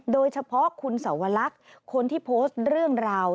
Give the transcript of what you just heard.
โดยเฉพาะคุณสวรรคคนที่โพสต์เรื่องราว